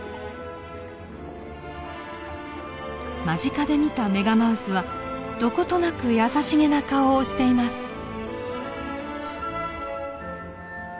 間近で見たメガマウスはどことなく優しげな顔をしています。